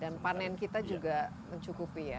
panen kita juga mencukupi ya